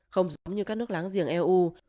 không giống như các nước láng giềng eu